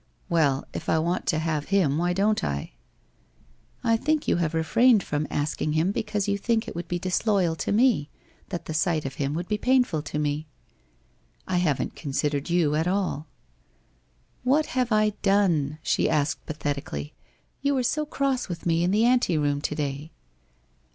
' Well, if I want to have him, why don't I? ' 1 I think you have refrained from asking him because you think it would be disloyal to me, that the sight of him would be painful to me?' ' I haven't considered you at all.' 'What have I done?' she asked pathetically. 'You were so cross with me in the ante room to day.'